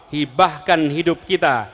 hibahkan hidup kita